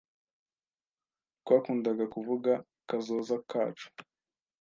Twakundaga kuvuga kazoza kacu.